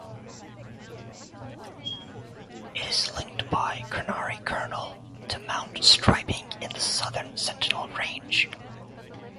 It is linked by Karnare Colonel to Mount Strybing in the southern Sentinel Range.